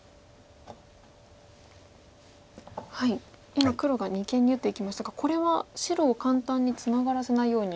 今黒が二間に打っていきましたがこれは白を簡単にツナがらせないように。